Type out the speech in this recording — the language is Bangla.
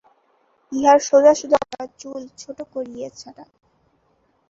ইঁহার সোজা সোজা মোটা চুল ছোটো করিয়া ছাঁটা।